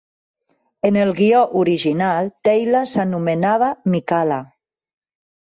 En el guió original, Teyla s'anomenava Mikala.